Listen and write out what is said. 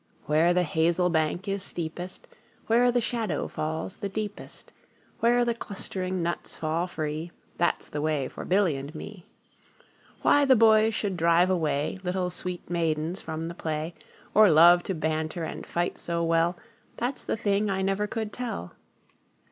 Where the hazel bank is steepest, Where the shadow falls the deepest, Where the clustering nuts fall free, 15 That 's the way for Billy and me. Why the boys should drive away Little sweet maidens from the play, Or love to banter and fight so well, That 's the thing I never could tell.